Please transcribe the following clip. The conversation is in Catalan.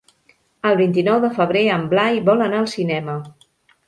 El vint-i-nou de febrer en Blai vol anar al cinema.